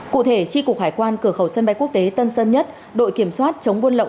cụ thể tri cục hải quan cửa khẩu sân bay quốc tế tân sơn nhất đội kiểm soát chống buôn lậu